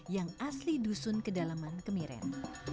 yang asli dusun kedalaman kemiren